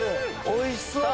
おいしそう！